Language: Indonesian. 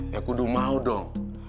ya kudu mau dong